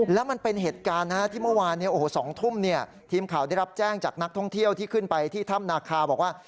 แล้วมันเป็นเหตุการณ์ที่เมื่อวาน๒ทุ่มทีมข่าวได้รับแจ้งจากนักท่องเที่ยวที่ขึ้นไปที่ถ้ำนาคาบอกว่า